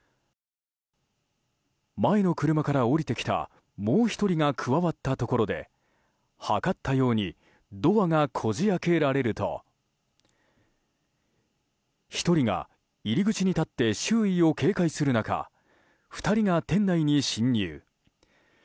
前の車から降りてきたもう１人が加わったところで図ったようにドアがこじ開けられると１人が入り口に立って周囲を警戒する中２人が店内に侵入。